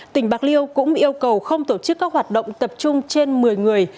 tỉnh bạc liêu cũng yêu cầu không tổ chức các hoạt động tập trung trên một mươi người